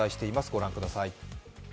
ご覧ください。